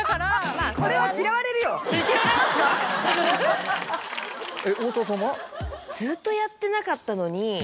嫌われますか⁉えっ大沢さんは？